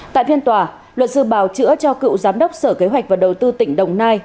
tại phiên tòa luật sư bào chữa cho cựu giám đốc sở kế hoạch và đầu tư tỉnh đồng nai